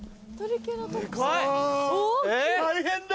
大変だ！